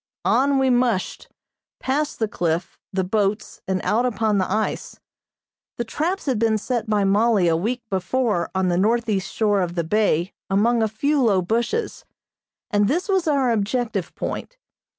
On we "mushed," past the cliff, the boats, and out upon the ice. The traps had been set by Mollie a week before on the northeast shore of the bay among a few low bushes, and this was our objective point.